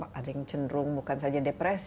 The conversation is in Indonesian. saat kita bangun di ta grinder